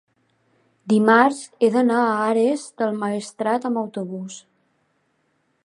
Dimarts he d'anar a Ares del Maestrat amb autobús.